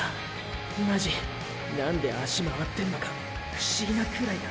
マジ何で脚回ってんのか不思議なくらいだ。